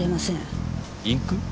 インク？